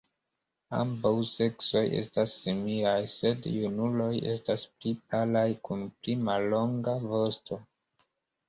Ambaŭ seksoj estas similaj, sed junuloj estas pli palaj kun pli mallonga vosto.